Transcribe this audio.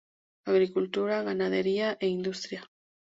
Agricultura, ganadería e industria.